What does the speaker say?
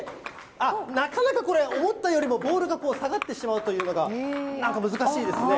あっ、なかなかこれ、思ったよりもボールが下がってしまうというのがなんか難しいですね。